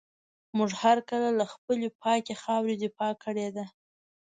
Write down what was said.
موږ هر کله له خپلي پاکي خاوري دفاع کړې ده.